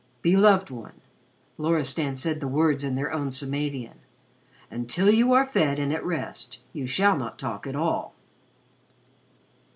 "Beloved one," Loristan said the words in their own Samavian, "until you are fed and at rest, you shall not talk at all."